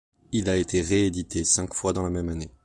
Il a été réédité cinq fois dans la même année.